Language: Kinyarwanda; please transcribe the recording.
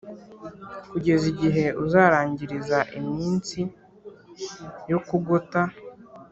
kugeza igihe uzarangiriza iminsi yo kugota